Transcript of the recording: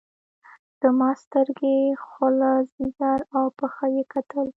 زما سترګې خوله ځيګر او پښه يې کتل.